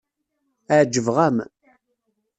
Ɛejbeɣ-am.